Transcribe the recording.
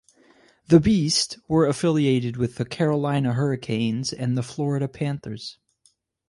The Beast were affiliated with the Carolina Hurricanes and the Florida Panthers.